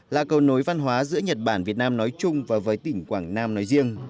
là cầu nối văn hóa giữa nhật bản việt nam nói chung và với tỉnh quảng nam nói riêng